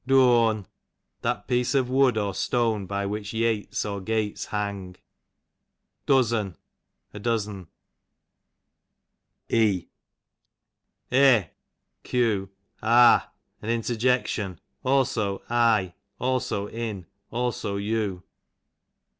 Durn, that piece of wood or stone by which yates or gates hang. Duzz'n, a dozen, 19. E. E, q. ah! an interjection, cdso I; also in; also you.